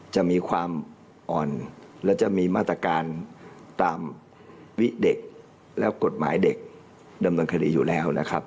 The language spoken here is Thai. จะมีความอ่อนและจะมีมาตรการตามวิเด็กและกฎหมายเด็กดำเนินคดีอยู่แล้วนะครับ